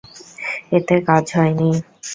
এতে কাজ হয়নি।